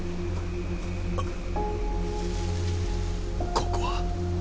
ここは。